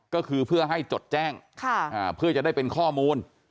ก็คือเพื่อให้จดแจ้งเพื่อจะได้เป็นข้อมูล